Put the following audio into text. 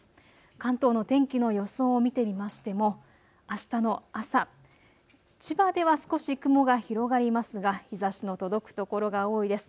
関東の天気の予想を見てみましてもあしたの朝、千葉では少し雲が広がりますが日ざしの届く所が多いです。